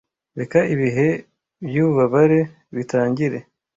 reka ibihe byububabare bitangire